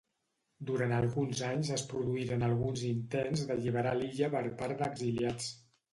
Durant alguns anys es produïren alguns intents d'alliberar l'illa per part d'exiliats.